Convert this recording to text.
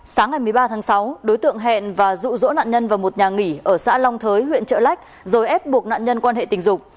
sáng ngày một mươi ba tháng sáu đối tượng hẹn và rụ rỗ nạn nhân vào một nhà nghỉ ở xã long thới huyện trợ lách rồi ép buộc nạn nhân quan hệ tình dục